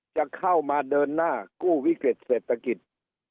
จะเข้ามาเดินหน้ากู้วิกฤตเศรษฐกิจ